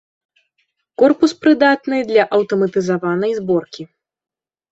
Корпус прыдатны для аўтаматызаванай зборкі.